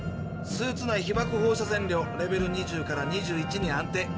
スーツ内ひばく放射線量レベル２０から２１に安定。